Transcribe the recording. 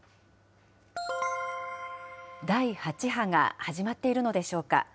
第８波が始まっているのでしょうか。